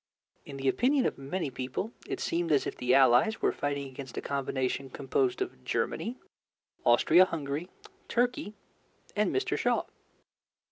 In the opinion of many people, it seemed as if the Allies were fighting against a combination composed of Germany, Austria Hungary, Turkey, and Mr. Shaw.